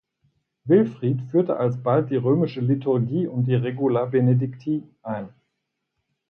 Wilfrid führte alsbald die römische Liturgie und die Regula Benedicti ein.